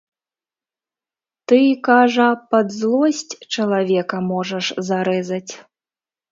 Ты, кажа, пад злосць чалавека можаш зарэзаць.